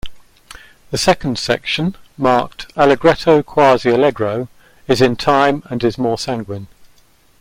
The second section marked "Allegretto quasi allegro" is in time and is more sanguine.